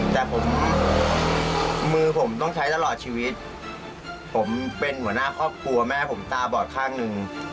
แต่ผมมือผมต้องใช้ตลอดชีวิตผมเป็นหัวหน้าครอบครัวแม่ผมตาบอดข้างหนึ่ง